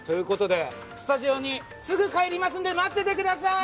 スタジオにすぐ帰りますので待っててください。